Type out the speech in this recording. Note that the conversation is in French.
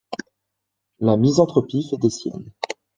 La misanthropie fait des siennes